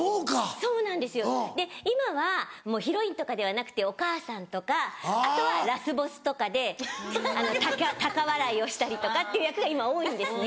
そうなんですよで今はもうヒロインとかではなくてお母さんとかあとはラスボスとかで高笑いをしたりとかっていう役が今多いんですね。